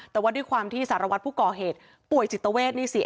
แต่ว่าด้วยความที่สารวัตรผู้ก่อเหตุป่วยจิตเวทนี่สิ